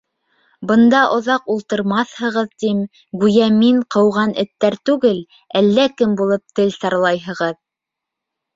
Бында оҙаҡ ултырмаҫһығыҙ, тим, гүйә мин ҡыуған эттәр түгел, әллә кем булып тел сарлайһығыҙ.